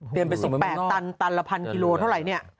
เปลี่ยนไป๑๘ตันตันละพันกิโลเท่าไรเนี่ย